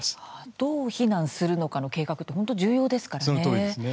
どう避難するかの計画は非常に重要ですからね。